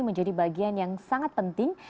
menjadi bagian yang sangat penting